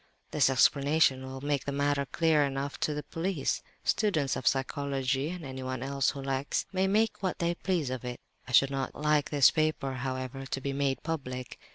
"This 'explanation' will make the matter clear enough to the police. Students of psychology, and anyone else who likes, may make what they please of it. I should not like this paper, however, to be made public.